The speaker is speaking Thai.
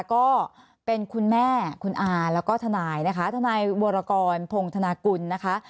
ก็เป็นคุณแม่คุณอาแล้วก็ทนายนะคะทนายวรกรพงธนากุลนะคะ